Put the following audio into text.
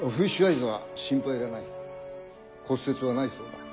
骨折はないそうだ。